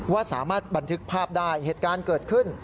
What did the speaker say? ว่าสามารถบันทึกภาพได้เหตุการณ์เกิดขึ้น